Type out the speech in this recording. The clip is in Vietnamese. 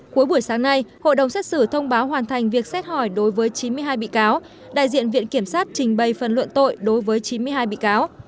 cuối buổi sáng nay hội đồng xét xử thông báo hoàn thành việc xét hỏi đối với chín mươi hai bị cáo đại diện viện kiểm sát trình bày phần luận tội đối với chín mươi hai bị cáo